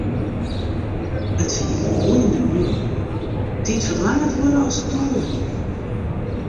It wie in boeiende moarn, dy't wat langer duorre as it doel wie.